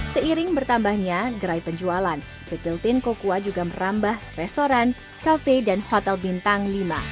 seiring bertambahnya gerai penjualan pplten kukua juga merambah restoran cafe dan hotel bintang lima